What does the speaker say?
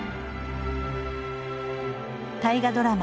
大河ドラマ